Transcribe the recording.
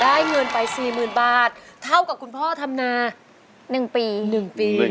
ได้เงินไป๓หมื่นบาทเท่ากับคุณพ่อทำนา๑ปี